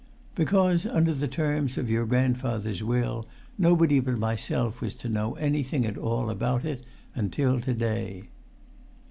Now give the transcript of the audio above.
"Because, under the terms of your grandfather's will, nobody but myself was to know anything at all about it until to day."